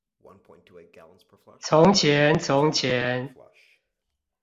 從前從前